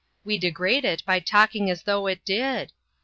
We degrade it by talking as though it did.